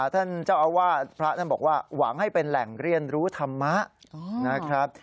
ท่านเจ้าอาวาสพระท่านบอกว่าหวังให้เป็นแหล่งเรียนรู้ธรรมะนะครับ